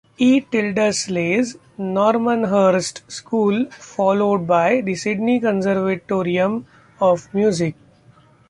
E. Tildesley's Normanhurst School, followed by the Sydney Conservatorium of Music.